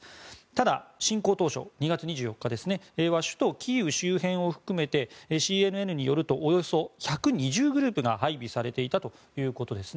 ただ、侵攻当初は２月２４日ですね首都キーウ周辺を含めてＣＮＮによりますとおよそ１２０グループが配備されていたということです。